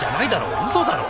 うそだろ。